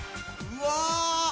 うわ！